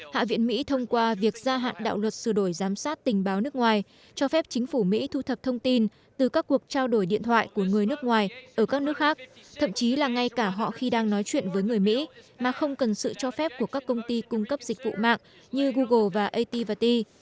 hạ viện mỹ thông qua việc gia hạn đạo luật sửa đổi giám sát tình báo nước ngoài cho phép chính phủ mỹ thu thập thông tin từ các cuộc trao đổi điện thoại của người nước ngoài ở các nước khác thậm chí là ngay cả họ khi đang nói chuyện với người mỹ mà không cần sự cho phép của các công ty cung cấp dịch vụ mạng như google và ativalti